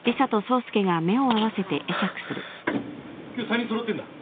今日３人揃ってんだ。